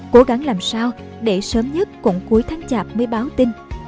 cố gắng làm sao để sớm nhất cũng cuối tháng chạp mới báo tin